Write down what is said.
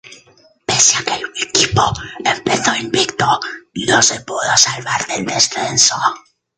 Pese a que el equipo empezó invicto, no se pudo salvar del descenso.